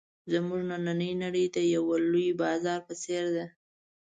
زموږ نننۍ نړۍ د یوه لوی بازار په څېر ده.